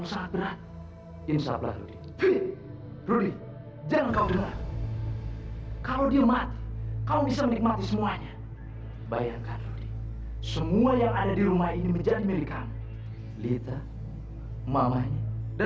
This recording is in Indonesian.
sampai jumpa di video selanjutnya